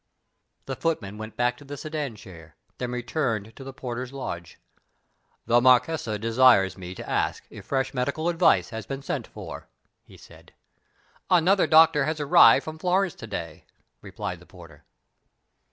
The footman went back to the sedan chair; then returned to the porter's lodge. "The marchesa desires me to ask if fresh medical advice has been sent for," he said. "Another doctor has arrived from Florence to day," replied the porter.